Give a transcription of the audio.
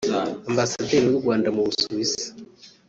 Ambasaderi w’u Rwanda mu Busuwisi